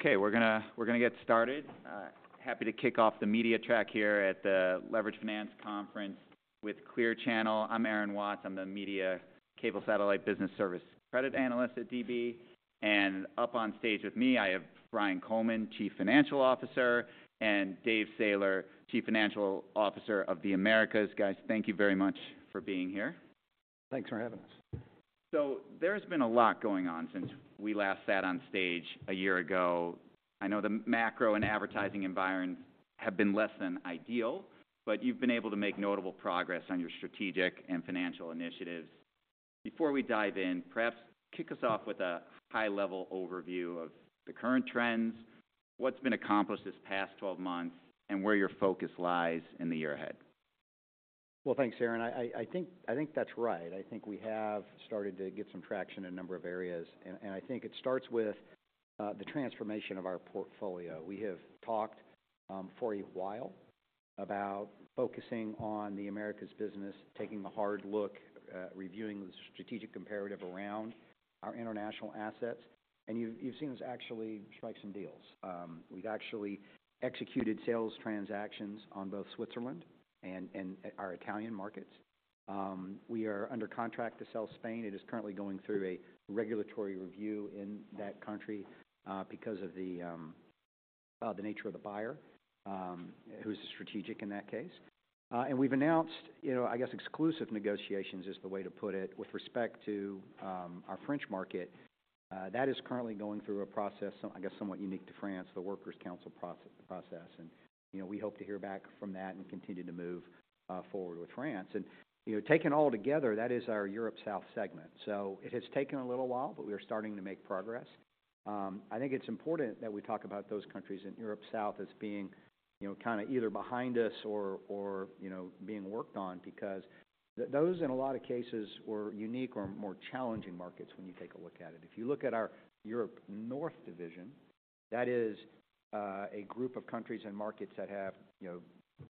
Okay, we're gonna, we're gonna get started. Happy to kick off the media track here at the Leveraged Finance Conference with Clear Channel. I'm Aaron Watts, I'm the Media, Cable Satellite Business Service credit analyst at DB. And up on stage with me, I have Brian Coleman, Chief Financial Officer, and David Sailer, Chief Financial Officer of the Americas. Guys, thank you very much for being here. Thanks for having us. So there's been a lot going on since we last sat on stage a year ago. I know the macro and advertising environments have been less than ideal, but you've been able to make notable progress on your strategic and financial initiatives. Before we dive in, perhaps kick us off with a high-level overview of the current trends, what's been accomplished this past 12 months, and where your focus lies in the year ahead. Well, thanks, Aaron. I think that's right. I think we have started to get some traction in a number of areas, and I think it starts with the transformation of our portfolio. We have talked for a while about focusing on the Americas business, taking a hard look, reviewing the strategic comparative around our international assets. And you've seen us actually strike some deals. We've actually executed sales transactions on both Switzerland and our Italian markets. We are under contract to sell Spain. It is currently going through a regulatory review in that country because of the nature of the buyer, who's strategic in that case. And we've announced, you know, I guess exclusive negotiations is the way to put it, with respect to our French market. That is currently going through a process, I guess, somewhat unique to France, the Workers' Council process. And, you know, we hope to hear back from that and continue to move forward with France. And, you know, taken all together, that is our Europe South segment. So it has taken a little while, but we are starting to make progress. I think it's important that we talk about those countries in Europe South as being, you know, kinda either behind us or, or, you know, being worked on because those, in a lot of cases, were unique or more challenging markets when you take a look at it. If you look at our Europe North division, that is a group of countries and markets that have, you know,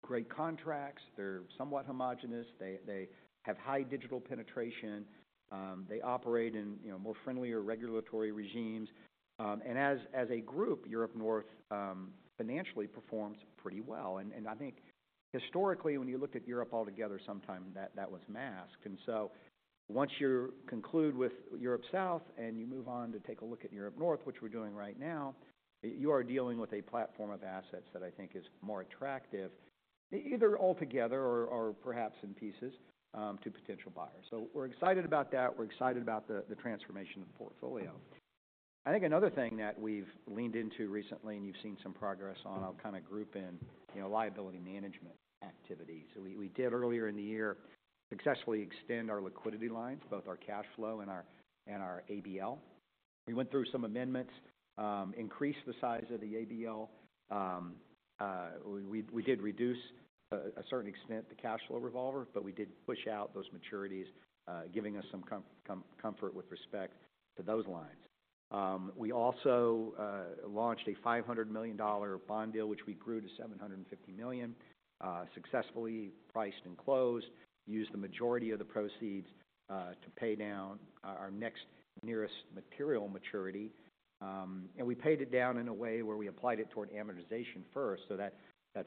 great contracts. They're somewhat homogenous. They, they have high digital penetration. They operate in, you know, more friendlier regulatory regimes. And as a group, Europe North, financially performs pretty well. And I think historically, when you looked at Europe altogether, sometimes that was masked. So once you conclude with Europe South and you move on to take a look at Europe North, which we're doing right now, you are dealing with a platform of assets that I think is more attractive, either altogether or perhaps in pieces, to potential buyers. So we're excited about that. We're excited about the transformation of the portfolio. I think another thing that we've leaned into recently and you've seen some progress on, I'll kind of group in, you know, liability management activities. We did earlier in the year successfully extend our liquidity lines, both our cash flow and our ABL. We went through some amendments, increased the size of the ABL. We did reduce to a certain extent the cash flow revolver, but we did push out those maturities, giving us some comfort with respect to those lines. We also launched a $500 million bond deal, which we grew to $750 million, successfully priced and closed, used the majority of the proceeds to pay down our next nearest material maturity. And we paid it down in a way where we applied it toward amortization first, so that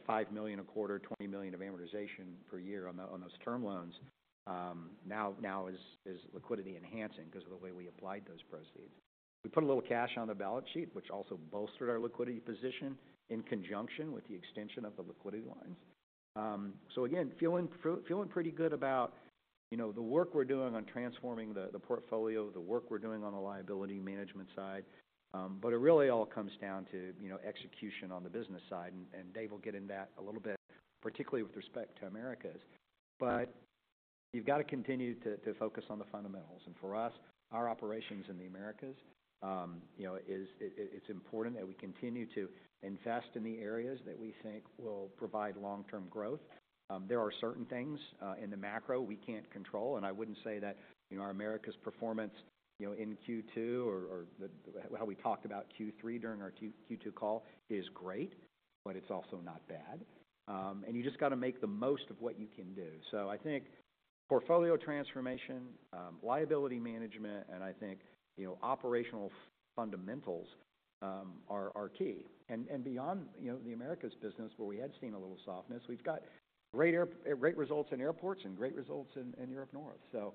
$5 million a quarter, $20 million of amortization per year on those term loans now is liquidity enhancing because of the way we applied those proceeds. We put a little cash on the balance sheet, which also bolstered our liquidity position in conjunction with the extension of the liquidity lines. So again, feeling pretty good about, you know, the work we're doing on transforming the portfolio, the work we're doing on the liability management side. But it really all comes down to, you know, execution on the business side, and Dave will get in that a little bit, particularly with respect to Americas. But you've got to continue to focus on the fundamentals. And for us, our operations in the Americas, you know, it's important that we continue to invest in the areas that we think will provide long-term growth. There are certain things in the macro we can't control, and I wouldn't say that, you know, our Americas performance, you know, in Q2 or, or the, how we talked about Q3 during our Q2 call is great, but it's also not bad. And you just got to make the most of what you can do. So I think portfolio transformation, liability management, and I think, you know, operational fundamentals, are, are key. And, and beyond, you know, the Americas business, where we had seen a little softness, we've got great results in airports and great results in, in Europe North. So,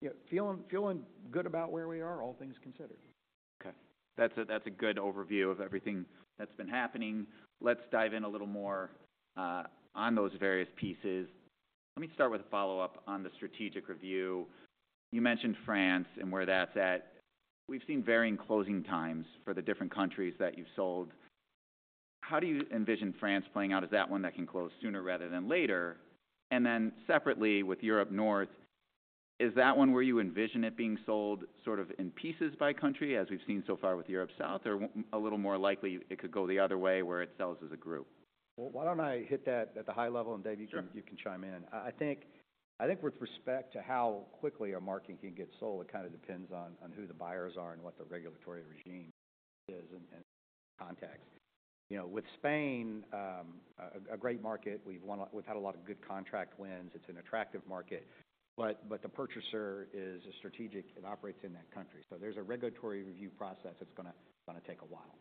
yeah, feeling, feeling good about where we are, all things considered. Okay. That's a good overview of everything that's been happening. Let's dive in a little more on those various pieces. Let me start with a follow-up on the strategic review. You mentioned France and where that's at. We've seen varying closing times for the different countries that you've sold. How do you envision France playing out? Is that one that can close sooner rather than later? And then separately, with Europe North, is that one where you envision it being sold sort of in pieces by country, as we've seen so far with Europe South, or a little more likely, it could go the other way, where it sells as a group? Well, why don't I hit that at the high level, and Dave. Sure. You can chime in. I think with respect to how quickly a market can get sold, it kind of depends on who the buyers are and what the regulatory regime is, and context. You know, with Spain, a great market, we've had a lot of good contract wins. It's an attractive market, but the purchaser is a strategic, it operates in that country. So there's a regulatory review process that's gonna take a while.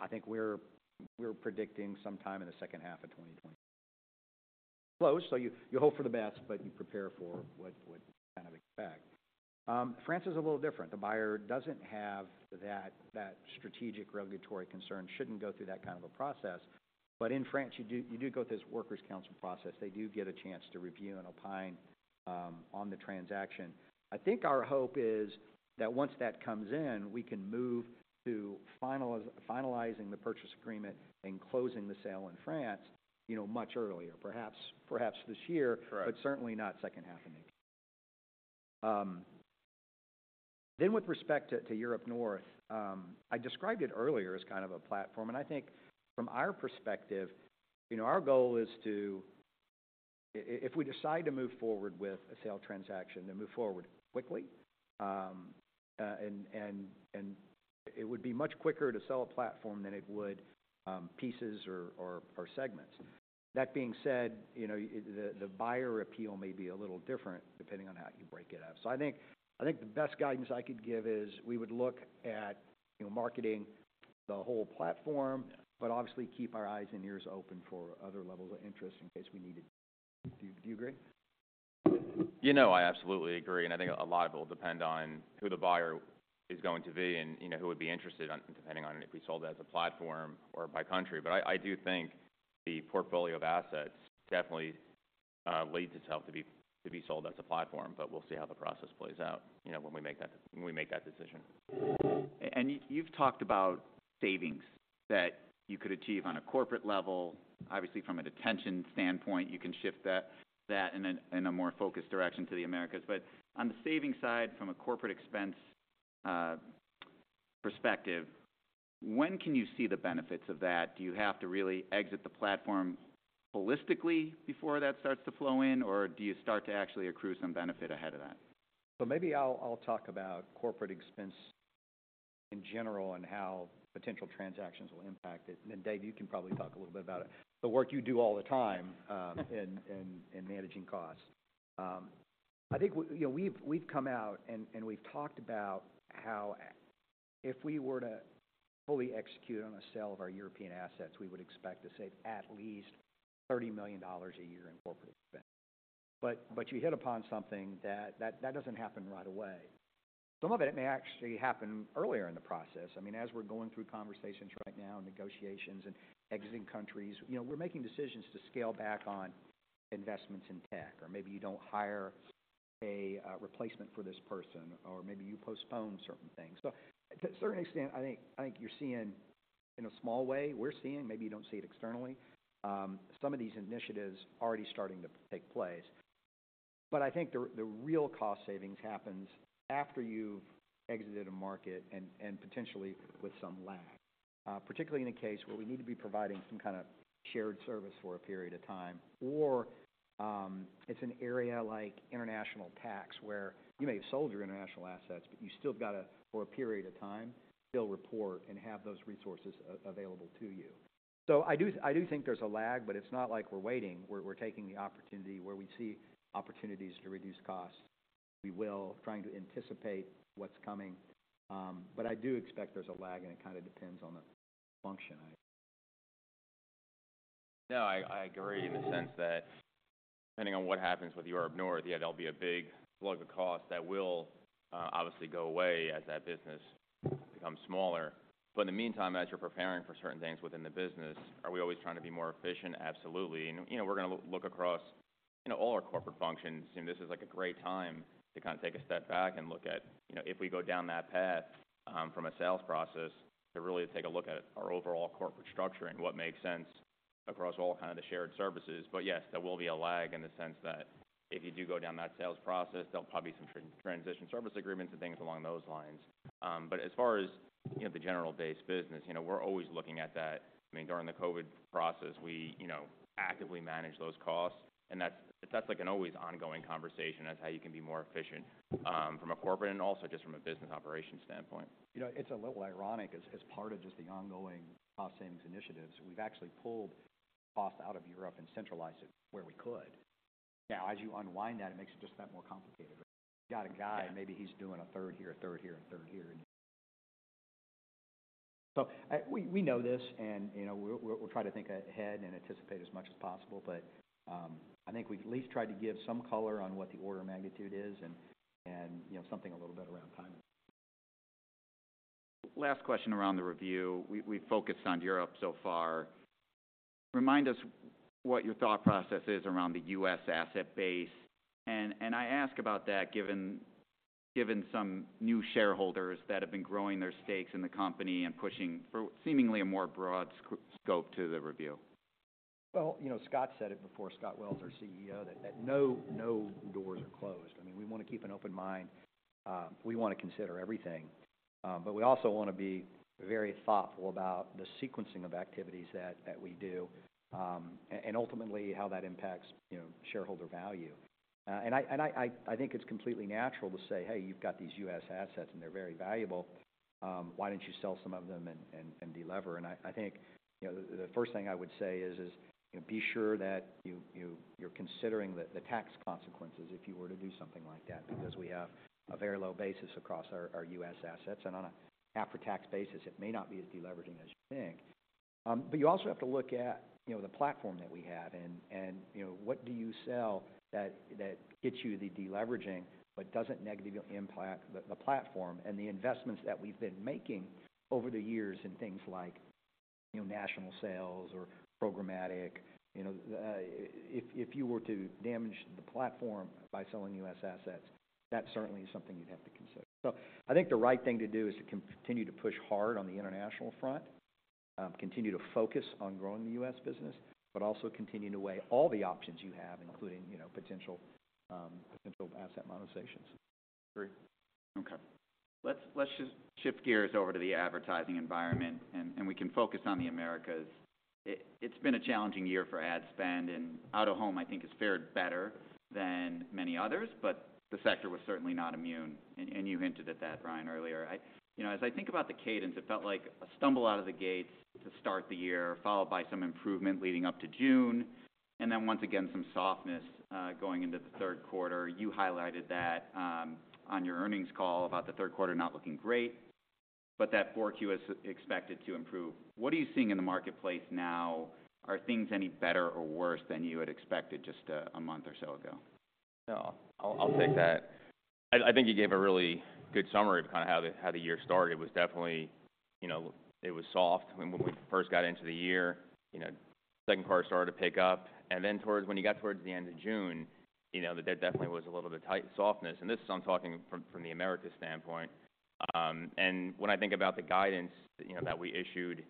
I think we're predicting sometime in the second half of 2020 close, so you hope for the best, but you prepare for what you kind of expect. France is a little different. The buyer doesn't have that strategic regulatory concern, shouldn't go through that kind of a process. But in France, you do, you do go through this workers' council process. They do get a chance to review and opine on the transaction. I think our hope is that once that comes in, we can move to finalizing the purchase agreement and closing the sale in France, you know, much earlier, perhaps, perhaps this year. Correct. But certainly not second half of next year. Then with respect to Europe North, I described it earlier as kind of a platform, and I think from our perspective, you know, our goal is to... if we decide to move forward with a sale transaction, then move forward quickly. And it would be much quicker to sell a platform than it would pieces or segments. That being said, you know, the buyer appeal may be a little different, depending on how you break it up. So I think the best guidance I could give is we would look at, you know, marketing the whole platform. Yeah. But obviously keep our eyes and ears open for other levels of interest in case we need to. Do you, do you agree? You know, I absolutely agree, and I think a lot of it will depend on who the buyer is going to be and, you know, who would be interested in depending on if we sold it as a platform or by country. But I do think the portfolio of assets definitely lends itself to be sold as a platform, but we'll see how the process plays out, you know, when we make that decision. And you, you've talked about savings that you could achieve on a corporate level. Obviously, from an attention standpoint, you can shift that, that in a more focused direction to the Americas. But on the savings side, from a corporate expense perspective, when can you see the benefits of that? Do you have to really exit the platform holistically before that starts to flow in, or do you start to actually accrue some benefit ahead of that? So maybe I'll talk about corporate expense in general and how potential transactions will impact it. And then, Dave, you can probably talk a little bit about it, the work you do all the time, in managing costs. I think we, you know, we've come out, and we've talked about how if we were to fully execute on a sale of our European assets, we would expect to save at least $30 million a year in corporate expense. But you hit upon something that doesn't happen right away. Some of it may actually happen earlier in the process. I mean, as we're going through conversations right now, and negotiations, and exiting countries, you know, we're making decisions to scale back on investments in tech, or maybe you don't hire a replacement for this person, or maybe you postpone certain things. So to a certain extent, I think, I think you're seeing in a small way, we're seeing, maybe you don't see it externally, some of these initiatives already starting to take place. But I think the real cost savings happens after you've exited a market and potentially with some lag, particularly in a case where we need to be providing some kind of shared service for a period of time, or it's an area like international tax, where you may have sold your international assets, but you still got to, for a period of time, still report and have those resources available to you. So I do I do think there's a lag, but it's not like we're waiting. We're taking the opportunity where we see opportunities to reduce costs. We will trying to anticipate what's coming, but I do expect there's a lag, and it kind of depends on the function I- No, I, I agree in the sense that depending on what happens with Europe North, yeah, there'll be a big slug of cost that will obviously go away as that business becomes smaller. But in the meantime, as you're preparing for certain things within the business, are we always trying to be more efficient? Absolutely. And, you know, we're gonna look across, you know, all our corporate functions, and this is like a great time to kind of take a step back and look at, you know, if we go down that path, from a sales process, to really take a look at our overall corporate structure and what makes sense across all kind of the shared services. But yes, there will be a lag in the sense that if you do go down that sales process, there'll probably be some transition service agreements and things along those lines. But as far as, you know, the general base business, you know, we're always looking at that. I mean, during the COVID process, we, you know, actively managed those costs, and that's, that's like an always ongoing conversation. That's how you can be more efficient, from a corporate and also just from a business operations standpoint. You know, it's a little ironic, as part of just the ongoing cost savings initiatives, we've actually pulled cost out of Europe and centralized it where we could. Now, as you unwind that, it makes it just that more complicated. You got a guy, maybe he's doing a third here, a third here, a third here, and. So, we know this, and, you know, we're, we'll try to think ahead and anticipate as much as possible. But, I think we've at least tried to give some color on what the order of magnitude is and, you know, something a little bit around timing. Last question around the review. We've focused on Europe so far. Remind us what your thought process is around the U.S. asset base. And I ask about that given some new shareholders that have been growing their stakes in the company and pushing for seemingly a more broad scope to the review. Well, you know, Scott said it before, Scott Wells, our CEO, that no doors are closed. I mean, we wanna keep an open mind. We wanna consider everything, but we also wanna be very thoughtful about the sequencing of activities that we do, and ultimately how that impacts, you know, shareholder value... and I think it's completely natural to say, "Hey, you've got these U.S. assets, and they're very valuable. Why don't you sell some of them and de-lever?" And I think, you know, the first thing I would say is, you know, be sure that you're considering the tax consequences if you were to do something like that, because we have a very low basis across our U.S. assets, and on an after-tax basis, it may not be as de-leveraging as you think. But you also have to look at, you know, the platform that we have and, you know, what do you sell that gets you the de-leveraging but doesn't negatively impact the platform and the investments that we've been making over the years in things like, you know, national sales or programmatic. You know, if you were to damage the platform by selling U.S. assets, that certainly is something you'd have to consider. So I think the right thing to do is to continue to push hard on the international front, continue to focus on growing the U.S. business, but also continue to weigh all the options you have, including, you know, potential, potential asset monetizations. Agree. Okay, let's just shift gears over to the advertising environment, and we can focus on the Americas. It's been a challenging year for ad spend, and out-of-home, I think, has fared better than many others, but the sector was certainly not immune, and you hinted at that, Brian, earlier. You know, as I think about the cadence, it felt like a stumble out of the gates to start the year, followed by some improvement leading up to June, and then once again, some softness going into the third quarter. You highlighted that on your earnings call about the third quarter not looking great, but that 4Q is expected to improve. What are you seeing in the marketplace now? Are things any better or worse than you had expected just a month or so ago? No, I'll take that. I think you gave a really good summary of kind of how the year started. It was definitely, you know, it was soft when we first got into the year. You know, second quarter started to pick up, and then, when you got towards the end of June, you know, there definitely was a little bit tight softness, and this is, I'm talking from the Americas standpoint. And when I think about the guidance, you know, that we issued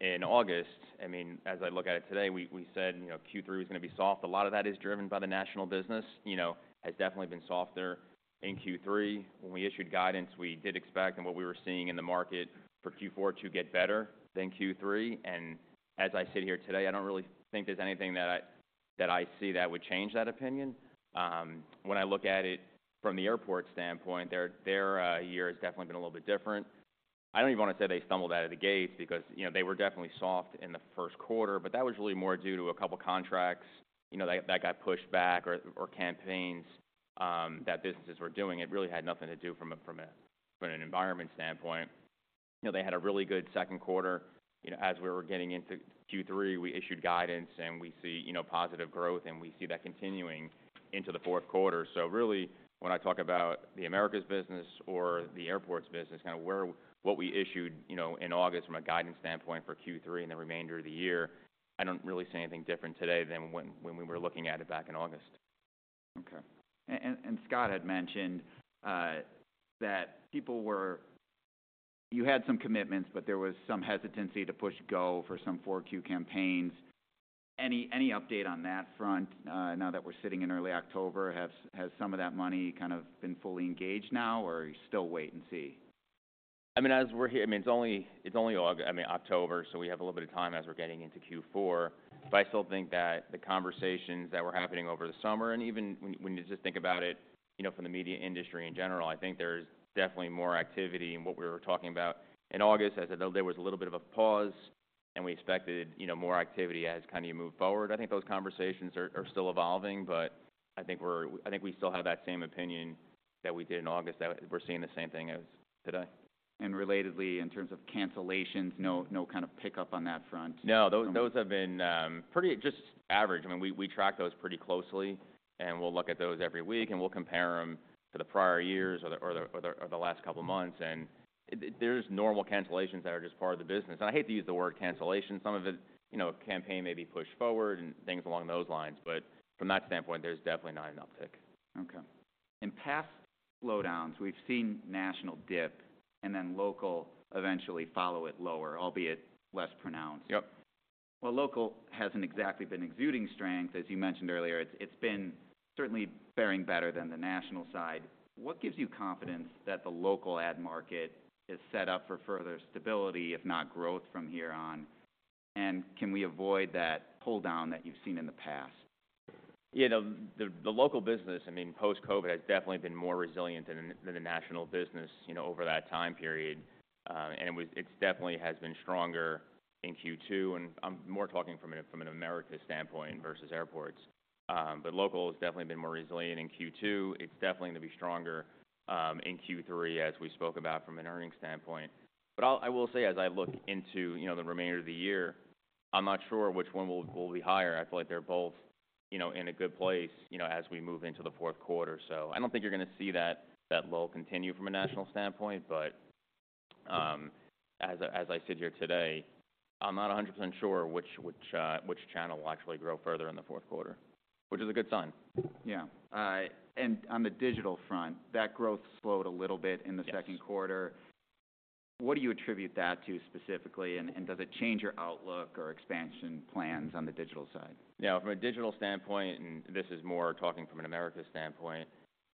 in August, I mean, as I look at it today, we said, you know, Q3 was going to be soft. A lot of that is driven by the national business, you know, has definitely been softer in Q3. When we issued guidance, we did expect and what we were seeing in the market for Q4 to get better than Q3. And as I sit here today, I don't really think there's anything that I see that would change that opinion. When I look at it from the airport standpoint, their year has definitely been a little bit different. I don't even want to say they stumbled out of the gates because, you know, they were definitely soft in the first quarter, but that was really more due to a couple contracts, you know, that got pushed back or campaigns that businesses were doing. It really had nothing to do from a, from a, from an environment standpoint. You know, they had a really good second quarter. You know, as we were getting into Q3, we issued guidance, and we see, you know, positive growth, and we see that continuing into the fourth quarter. So really, when I talk about the Americas business or the airports business, kind of where... What we issued, you know, in August from a guidance standpoint for Q3 and the remainder of the year, I don't really see anything different today than when, when we were looking at it back in August. Okay. And Scott had mentioned that people were you had some commitments, but there was some hesitancy to push go for some 4Q campaigns. Any update on that front? Now that we're sitting in early October, has some of that money kind of been fully engaged now, or are you still wait and see? I mean, as we're here, I mean, it's only October, so we have a little bit of time as we're getting into Q4. But I still think that the conversations that were happening over the summer and even when you just think about it, you know, from the media industry in general, I think there's definitely more activity in what we were talking about in August. As I said, there was a little bit of a pause, and we expected, you know, more activity as kind of you move forward. I think those conversations are still evolving, but I think we still have that same opinion that we did in August, that we're seeing the same thing as today. Relatedly, in terms of cancellations, no, no kind of pickup on that front? No, those have been pretty just average. I mean, we track those pretty closely, and we'll look at those every week, and we'll compare them to the prior years or the last couple of months. And there's normal cancellations that are just part of the business, and I hate to use the word cancellation. Some of it, you know, a campaign may be pushed forward and things along those lines, but from that standpoint, there's definitely not an uptick. Okay. In past slowdowns, we've seen national dip and then local eventually follow it lower, albeit less pronounced. Yep. Well, local hasn't exactly been exuding strength, as you mentioned earlier. It's been certainly faring better than the national side. What gives you confidence that the local ad market is set up for further stability, if not growth, from here on? And can we avoid that pull down that you've seen in the past? Yeah, the local business, I mean, post-COVID, has definitely been more resilient than the national business, you know, over that time period. And it definitely has been stronger in Q2, and I'm more talking from an Americas standpoint versus airports. But local has definitely been more resilient in Q2. It's definitely going to be stronger in Q3, as we spoke about from an earnings standpoint. But I will say, as I look into, you know, the remainder of the year, I'm not sure which one will be higher. I feel like they're both, you know, in a good place, you know, as we move into the fourth quarter. So I don't think you're going to see that lull continue from a national standpoint, but as I sit here today, I'm not 100% sure which channel will actually grow further in the fourth quarter, which is a good sign. Yeah. And on the digital front, that growth slowed a little bit in the second quarter. What do you attribute that to specifically, and does it change your outlook or expansion plans on the digital side? Yeah, from a digital standpoint, and this is more talking from an Americas standpoint,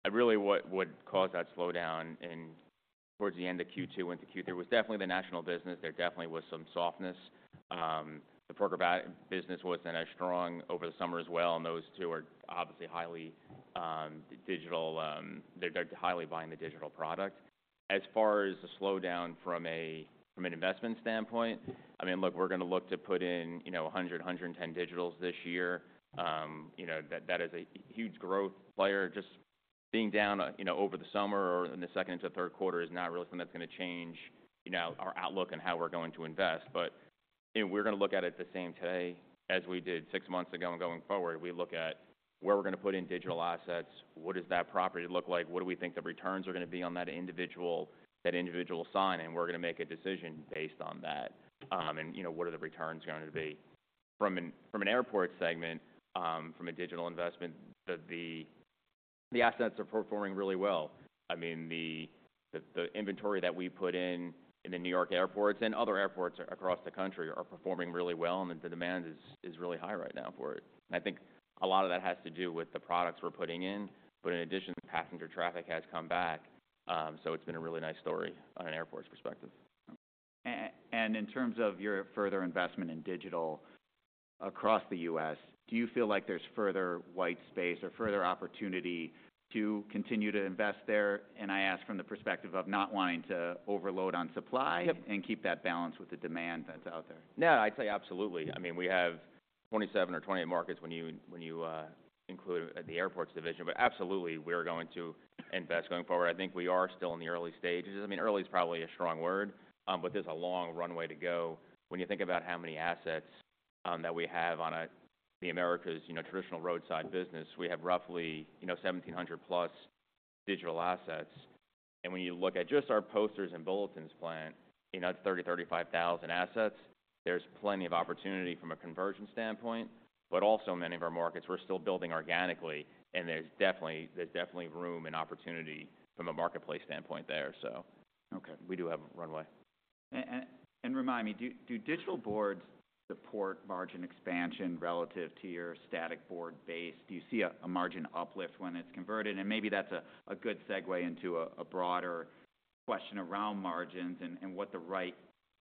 and really what would cause that slowdown towards the end of Q2 into Q3, there was definitely the national business. There definitely was some softness. The programmatic business wasn't as strong over the summer as well, and those two are obviously highly digital. They're highly buying the digital product. As far as the slowdown from an investment standpoint, I mean, look, we're gonna look to put in, you know, 100, 110 digitals this year. You know, that, that is a huge growth player. Just being down, you know, over the summer or in the second into third quarter is not really something that's gonna change, you know, our outlook on how we're going to invest. But, you know, we're gonna look at it the same today as we did six months ago and going forward. We look at where we're gonna put in digital assets, what does that property look like, what do we think the returns are gonna be on that individual, that individual sign? And we're gonna make a decision based on that. And you know, what are the returns going to be? From an airport segment, from a digital investment, the assets are performing really well. I mean, the inventory that we put in, in the New York airports and other airports across the country are performing really well, and the demand is really high right now for it. I think a lot of that has to do with the products we're putting in. In addition, passenger traffic has come back, so it's been a really nice story on an airport's perspective. In terms of your further investment in digital across the U.S., do you feel like there's further white space or further opportunity to continue to invest there? And I ask from the perspective of not wanting to overload on supply. Yep And keep that balance with the demand that's out there. No, I'd say absolutely. I mean, we have 27 or 28 markets when you include the airports division. But absolutely, we're going to invest going forward. I think we are still in the early stages. I mean, early is probably a strong word, but there's a long runway to go. When you think about how many assets that we have on the Americas, you know, traditional roadside business, we have roughly, you know, 1,700+ digital assets. And when you look at just our posters and bulletins plan, you know, that's 35,000 assets. There's plenty of opportunity from a conversion standpoint, but also many of our markets, we're still building organically, and there's definitely, there's definitely room and opportunity from a marketplace standpoint there. Okay. We do have a runway. And remind me, do digital boards support margin expansion relative to your static board base? Do you see a margin uplift when it's converted? And maybe that's a good segue into a broader question around margins and what the right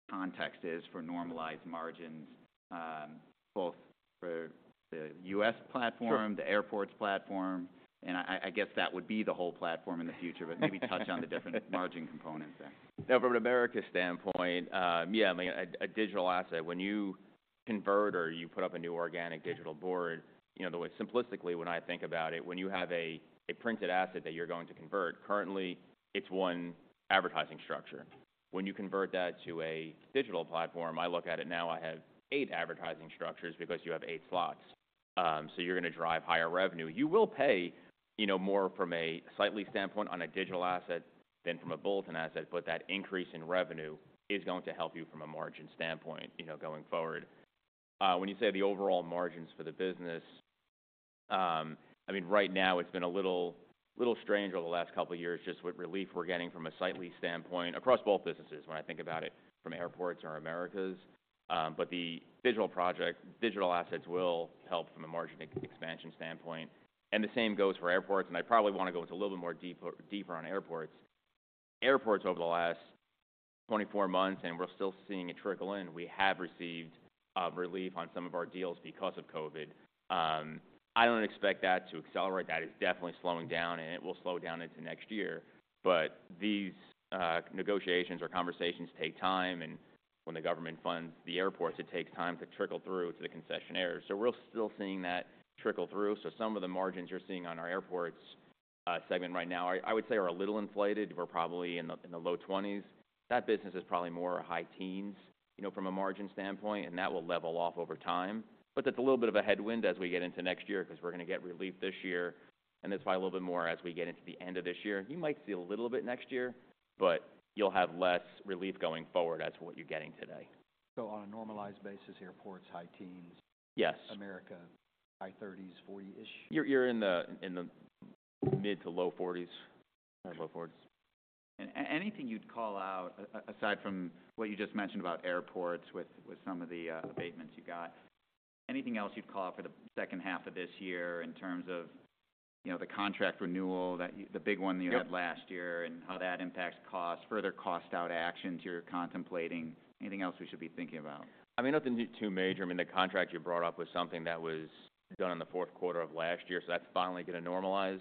context is for normalized margins, both for the U.S. platform. Sure The airports platform, and I guess that would be the whole platform in the future. But maybe touch on the different margin components there. Yeah, from an Americas standpoint, yeah, I mean, a digital asset, when you convert or you put up a new organic digital board, you know, the way... Simplistically, when I think about it, when you have a printed asset that you're going to convert, currently, it's one advertising structure. When you convert that to a digital platform, I look at it now, I have eight advertising structures because you have eight slots. So you're gonna drive higher revenue. You will pay, you know, more from a slightly standpoint on a digital asset than from a bulletin asset, but that increase in revenue is going to help you from a margin standpoint, you know, going forward. When you say the overall margins for the business, I mean, right now, it's been a little strange over the last couple of years, just what relief we're getting from a site lease standpoint across both businesses, when I think about it, from airports or Americas. But the digital assets will help from a margin expansion standpoint, and the same goes for airports. And I probably wanna go just a little bit more deeper on airports. Airports over the last 24 months, and we're still seeing it trickle in, we have received relief on some of our deals because of COVID. I don't expect that to accelerate. That is definitely slowing down, and it will slow down into next year. But these negotiations or conversations take time, and when the government funds the airports, it takes time to trickle through to the concessionaires. So we're still seeing that trickle through. So some of the margins you're seeing on our airports segment right now, I would say, are a little inflated. We're probably in the low 20s. That business is probably more high teens, you know, from a margin standpoint, and that will level off over time. But that's a little bit of a headwind as we get into next year, 'cause we're gonna get relief this year, and that's why a little bit more as we get into the end of this year. You might see a little bit next year, but you'll have less relief going forward as to what you're getting today. On a normalized basis, airports, high teens? Yes. America, high 30s, 40-ish? You're in the mid to low forties. Low 40s. Anything you'd call out, aside from what you just mentioned about airports with some of the abatements you got, anything else you'd call out for the second half of this year in terms of, you know, the contract renewal, that you- Yep The big one that you had last year, and how that impacts costs, further cost out actions you're contemplating? Anything else we should be thinking about? I mean, nothing too major. I mean, the contract you brought up was something that was done in the fourth quarter of last year, so that's finally gonna normalize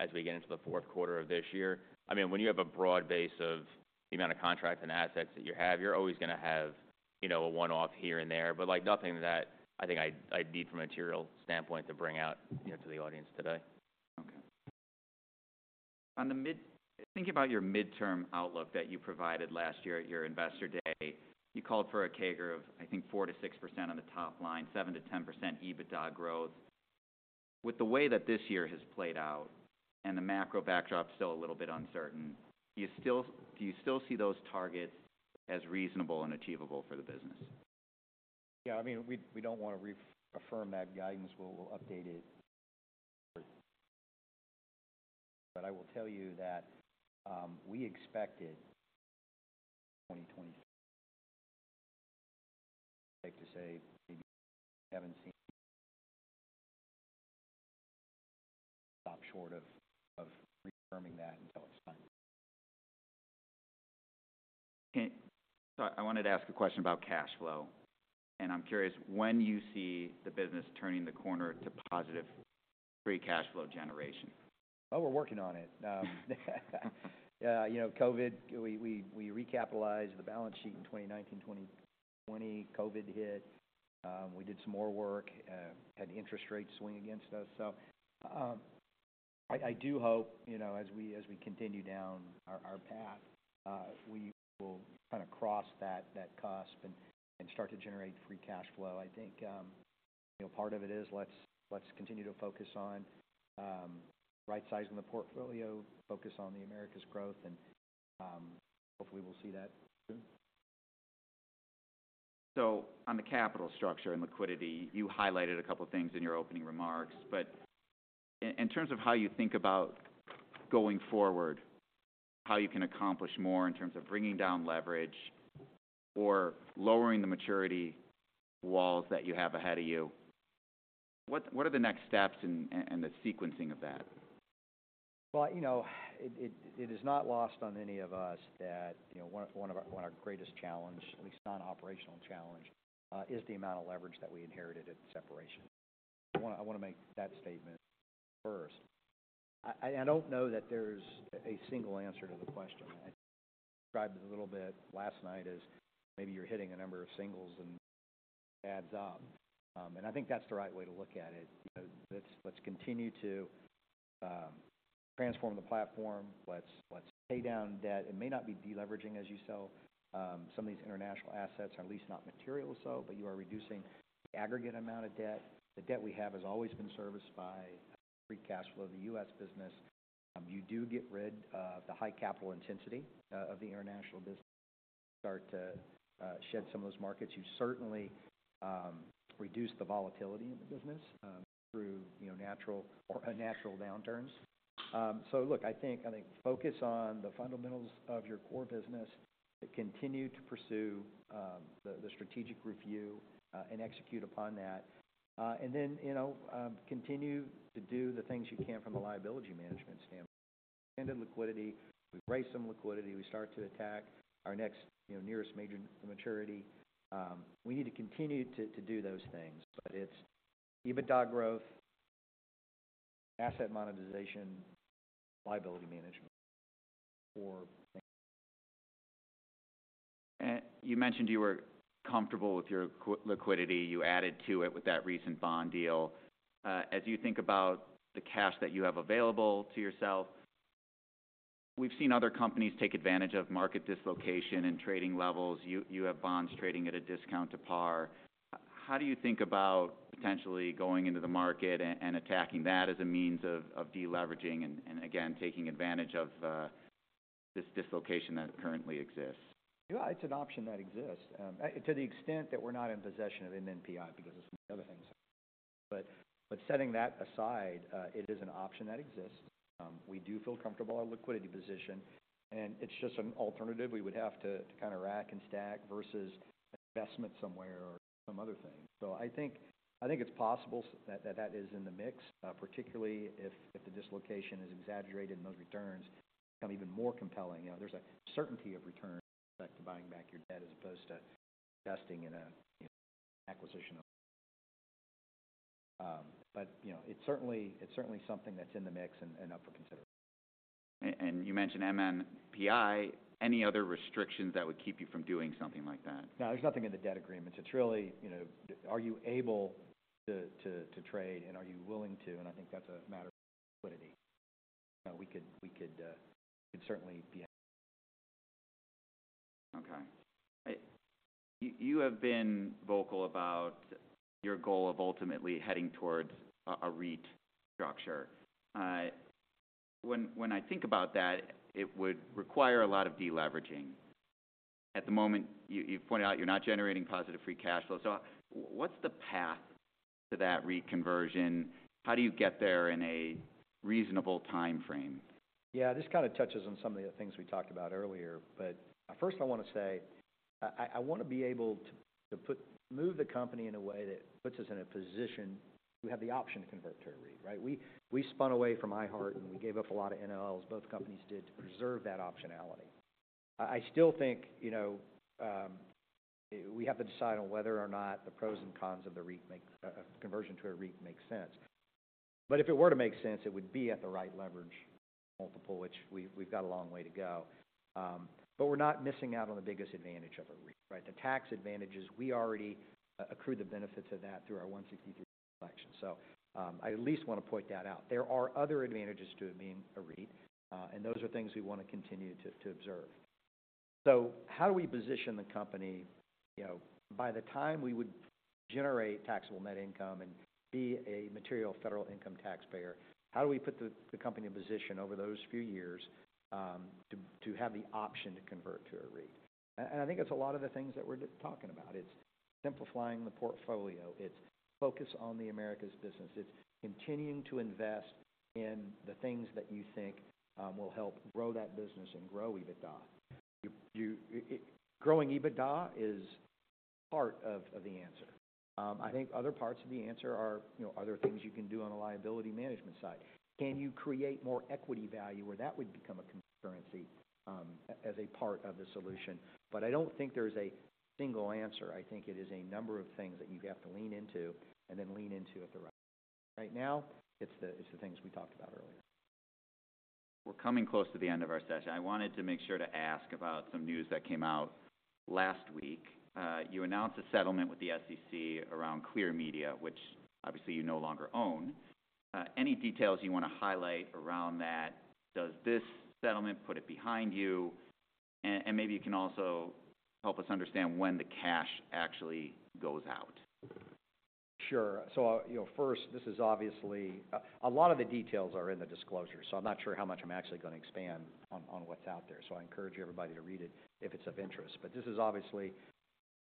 as we get into the fourth quarter of this year. I mean, when you have a broad base of the amount of contracts and assets that you have, you're always gonna have, you know, a one-off here and there, but, like, nothing that I think I'd need from a material standpoint to bring out, you know, to the audience today. Okay. On the midterm outlook that you provided last year at your Investor Day, you called for a CAGR of, I think, 4%-6% on the top line, 7%-10% EBITDA growth. With the way that this year has played out, and the macro backdrop is still a little bit uncertain, do you still, do you still see those targets as reasonable and achievable for the business? Yeah, I mean, we don't want to reaffirm that guidance. We'll update it. But I will tell you that, we expected 2020. Safe to say, we haven't seen stop short of reaffirming that until it's signed. Okay, so I wanted to ask a question about cash flow, and I'm curious when you see the business turning the corner to positive free cash flow generation? Oh, we're working on it. You know, COVID, we recapitalized the balance sheet in 2019, 2020. COVID hit, we did some more work, had interest rates swing against us. So, I do hope, you know, as we continue down our path, we will kind of cross that cusp and start to generate free cash flow. I think, you know, part of it is let's continue to focus on right-sizing the portfolio, focus on the Americas growth, and hopefully we'll see that soon. On the capital structure and liquidity, you highlighted a couple of things in your opening remarks, but in terms of how you think about going forward, how you can accomplish more in terms of bringing down leverage or lowering the maturity walls that you have ahead of you, what are the next steps and the sequencing of that? Well, you know, it is not lost on any of us that, you know, one of our greatest challenge, at least non-operational challenge, is the amount of leverage that we inherited at the separation. I wanna make that statement first. I don't know that there's a single answer to the question. I described it a little bit last night as maybe you're hitting a number of singles and adds up. And I think that's the right way to look at it. You know, let's continue to transform the platform. Let's pay down debt. It may not be deleveraging as you sell some of these international assets, or at least not material so, but you are reducing the aggregate amount of debt. The debt we have has always been serviced by free cash flow of the U.S. business. You do get rid of the high capital intensity of the international business, start to shed some of those markets. You certainly reduce the volatility in the business through, you know, natural or unnatural downturns. So look, I think focus on the fundamentals of your core business, but continue to pursue the strategic review and execute upon that. And then, you know, continue to do the things you can from a liability management standpoint. Standard liquidity, we raise some liquidity, we start to attack our next, you know, nearest major maturity. We need to continue to do those things, but it's EBITDA growth, asset monetization, liability management for. You mentioned you were comfortable with your liquidity. You added to it with that recent bond deal. As you think about the cash that you have available to yourself, we've seen other companies take advantage of market dislocation and trading levels. You have bonds trading at a discount to par. How do you think about potentially going into the market and attacking that as a means of deleveraging and again, taking advantage of this dislocation that currently exists? Yeah, it's an option that exists, to the extent that we're not in possession of an MNPI, because of some other things. But, but setting that aside, it is an option that exists. We do feel comfortable our liquidity position, and it's just an alternative we would have to, to kind of rack and stack versus investment somewhere or some other thing. So I think, I think it's possible that, that is in the mix, particularly if, if the dislocation is exaggerated and those returns become even more compelling. You know, there's a certainty of return, like to buying back your debt as opposed to investing in a, you know, acquisition. But, you know, it's certainly, it's certainly something that's in the mix and, and up for consideration. And you mentioned MNPI. Any other restrictions that would keep you from doing something like that? No, there's nothing in the debt agreements. It's really, you know, are you able to trade, and are you willing to? I think that's a matter of liquidity. We could certainly be- Okay. You have been vocal about your goal of ultimately heading towards a REIT structure. When I think about that, it would require a lot of deleveraging. At the moment, you pointed out you're not generating positive free cash flow. So what's the path to that REIT conversion? How do you get there in a reasonable timeframe? Yeah, this kind of touches on some of the things we talked about earlier. But first, I want to say, I want to be able to move the company in a way that puts us in a position we have the option to convert to a REIT, right? We spun away from iHeart, and we gave up a lot of NOLs, both companies did, to preserve that optionality. I still think, you know, we have to decide on whether or not the pros and cons of the REIT make conversion to a REIT makes sense. But if it were to make sense, it would be at the right leverage multiple, which we've got a long way to go. But we're not missing out on the biggest advantage of a REIT, right? The tax advantages, we already accrued the benefits of that through our 163 election. So, I at least want to point that out. There are other advantages to it being a REIT, and those are things we want to continue to observe. So how do we position the company, you know, by the time we would generate taxable net income and be a material federal income taxpayer, how do we put the company in position over those few years, to have the option to convert to a REIT? And I think it's a lot of the things that we're just talking about. It's simplifying the portfolio. It's focus on the Americas business. It's continuing to invest in the things that you think will help grow that business and grow EBITDA. Growing EBITDA is part of the answer. I think other parts of the answer are, you know, are there things you can do on the liability management side? Can you create more equity value where that would become a concurrency, as a part of the solution? But I don't think there's a single answer. I think it is a number of things that you'd have to lean into, and then lean into at the right. Right now, it's the things we talked about earlier. We're coming close to the end of our session. I wanted to make sure to ask about some news that came out last week. You announced a settlement with the SEC around Clear Media, which obviously you no longer own. Any details you wanna highlight around that? Does this settlement put it behind you? And maybe you can also help us understand when the cash actually goes out. Sure. So, you know, first, this is obviously a lot of the details are in the disclosure, so I'm not sure how much I'm actually gonna expand on, on what's out there. So I encourage everybody to read it if it's of interest. But this is obviously,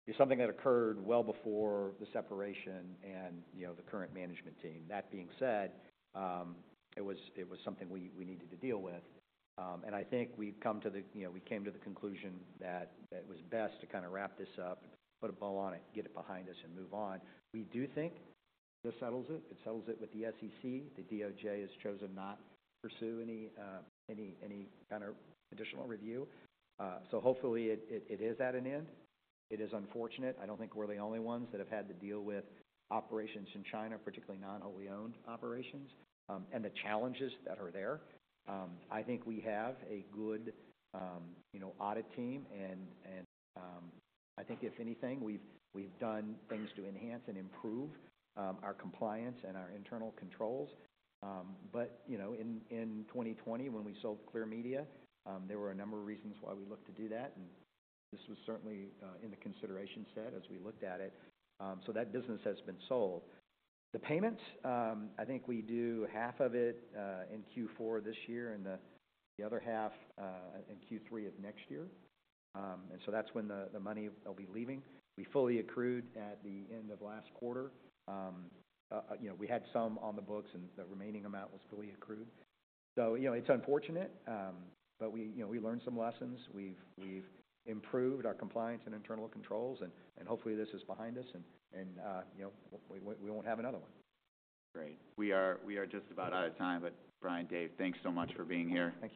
it's something that occurred well before the separation and, you know, the current management team. That being said, it was something we needed to deal with. And I think we've come to the, you know, we came to the conclusion that it was best to kinda wrap this up and put a bow on it, get it behind us, and move on. We do think this settles it. It settles it with the SEC. The DOJ has chosen not to pursue any kind of additional review. So hopefully, it is at an end. It is unfortunate. I don't think we're the only ones that have had to deal with operations in China, particularly non-wholly-owned operations, and the challenges that are there. I think we have a good, you know, audit team, and I think if anything, we've done things to enhance and improve our compliance and our internal controls. But, you know, in 2020, when we sold Clear Media, there were a number of reasons why we looked to do that, and this was certainly in the consideration set as we looked at it. So that business has been sold. The payments, I think we do half of it in Q4 this year and the other half in Q3 of next year. And so that's when the money will be leaving. We fully accrued at the end of last quarter. You know, we had some on the books, and the remaining amount was fully accrued. So, you know, it's unfortunate, but we, you know, we learned some lessons. We've improved our compliance and internal controls, and, you know, we won't have another one. Great. We are just about out of time, but Brian, Dave, thanks so much for being here. Thank you.